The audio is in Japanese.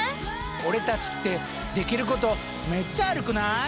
俺たちってできることめっちゃあるくない？